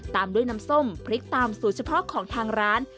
ตามด้วยน้ำส้มพริกตามสูตรเฉพาะของทางร้าน